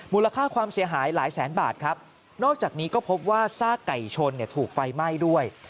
ค่าความเสียหายหลายแสนบาทครับนอกจากนี้ก็พบว่าซากไก่ชนถูกไฟไหม้ด้วย